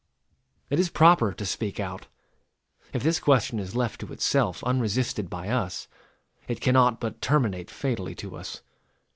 It is proper to speak out. If this question is left to itself, unresisted by us, it cannot but terminate fatally to us.